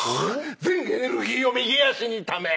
全エネルギーを右足にため。